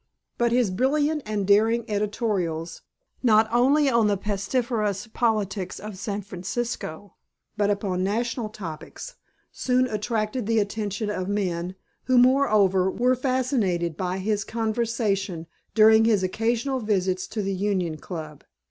But his brilliant and daring editorials, not only on the pestiferous politics of San Francisco, but upon national topics, soon attracted the attention of the men; who, moreover, were fascinated by his conversation during his occasional visits to the Union Club.